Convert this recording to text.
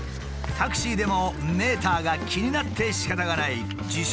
タクシーでもメーターが気になってしかたがない自称